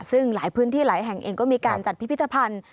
ซึ่งหลายพื้นที่หลายแห่งเองก็มีการจัดพิพิธภัณฑ์